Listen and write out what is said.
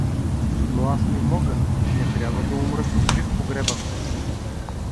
— Но аз не мога, не трябва да умра тук жив погребан!